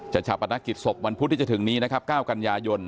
จัดฉบอาณาจิตศพวันพุธที่จะถึงนี้นะครับ๙กย